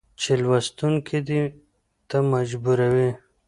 چې لوستونکى دې ته مجبور وي